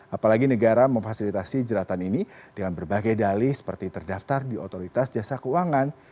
apalagi negara memfasilitasi jeratan ini dengan berbagai dalih seperti terdaftar di otoritas jasa keuangan